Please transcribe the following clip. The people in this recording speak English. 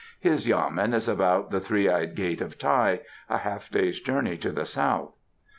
His yamen is about the Three eyed Gate of Tai, a half day's journey to the south."